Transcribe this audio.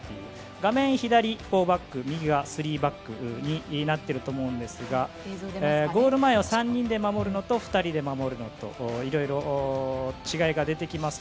画面左、４バック右が３バックになっていると思うんですがゴール前を３人で守るのと２人で守るのといろいろ違いが出てきます。